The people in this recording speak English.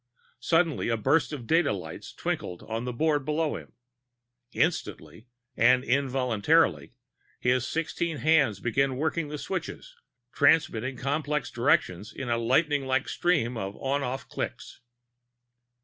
Suddenly a burst of data lights twinkled on the board below him. Instantly and involuntarily, his sixteen hands began working the switches, transmitting complex directions in a lightninglike stream of on off clicks.